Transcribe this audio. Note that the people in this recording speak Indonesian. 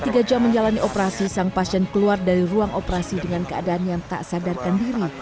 tiga jam menjalani operasi sang pasien keluar dari ruang operasi dengan keadaan yang tak sadarkan diri